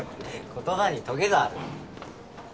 言葉にトゲがある。